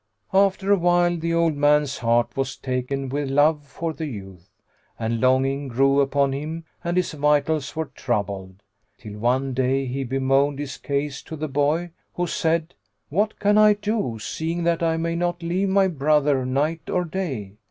After a while, the old man's heart was taken with love for the youth, and longing grew upon him and his vitals were troubled, till one day, he bemoaned his case to the boy, who said, "What can I do, seeing that I may not leave my brother night or day?